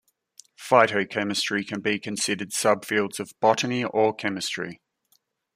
Phytochemistry can be considered sub-fields of botany or chemistry.